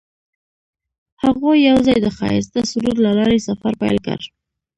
هغوی یوځای د ښایسته سرود له لارې سفر پیل کړ.